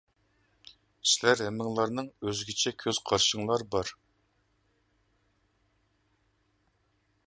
سىلەر ھەممىڭلارنىڭ ئۆزگىچە كۆز قارىشىڭلار بار.